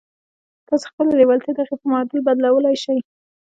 تاسې خپله لېوالتیا د هغې په معادل بدلولای شئ